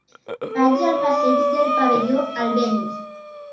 Vaig al passeig del Pavelló Albéniz.